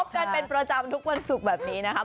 กันเป็นประจำทุกวันศุกร์แบบนี้นะครับ